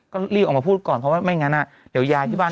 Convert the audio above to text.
ก็รีบออกมาพูดก่อนเพราะว่าไม่งั้นเดี๋ยวยายที่บ้าน